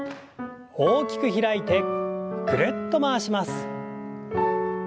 大きく開いてぐるっと回します。